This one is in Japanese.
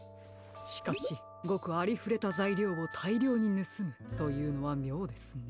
しかしごくありふれたざいりょうをたいりょうにぬすむというのはみょうですね。